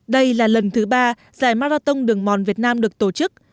đây là lần thứ ba giải marathon đường mòn việt nam được tổ chức